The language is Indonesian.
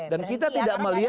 dan kita tidak melihat